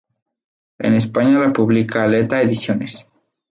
En España la publica Aleta Ediciones.